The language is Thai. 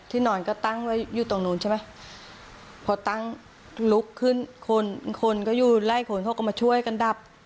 นอนก็ตั้งไว้อยู่ตรงนู้นใช่ไหมพอตั้งลุกขึ้นคนคนก็อยู่ไล่คนเขาก็มาช่วยกันดับ